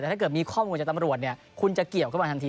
แต่ถ้าเกิดมีข้อมูลจากตำรวจคุณจะเกี่ยวเข้ามาทันที